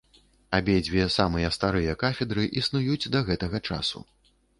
Абедзве самыя старыя кафедры існуюць да гэтага часу.